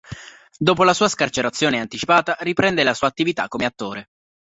Dopo la sua scarcerazione anticipata riprende la sua attività come attore.